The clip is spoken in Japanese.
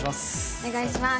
お願いします